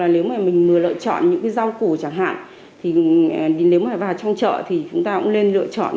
nếu mà mình lựa chọn những cái rau củ chẳng hạn thì nếu mà vào trong chợ thì chúng ta cũng nên lựa chọn